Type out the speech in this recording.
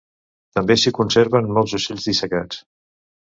També s'hi conserven molts ocells dissecats.